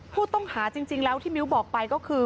ผู้ต้องหาจริงแล้วที่มิ้วบอกไปก็คือ